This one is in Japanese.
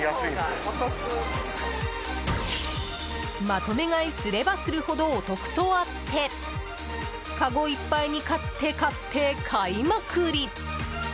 まとめ買いすればするほどお得とあってかごいっぱいに買って買って買いまくり。